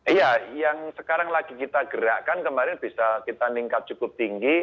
iya yang sekarang lagi kita gerakkan kemarin bisa kita ningkat cukup tinggi